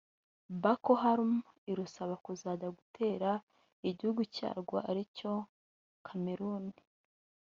Boko Haram irusaba kuzajya rutera igihugu cyarwo ari cyo Cameroun